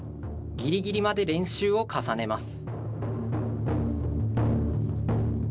ぎりぎりまで練習を重ねます。